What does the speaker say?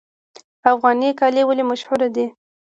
افغاني کالي ولې مشهور دي؟